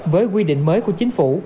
với quy định mới của chính phủ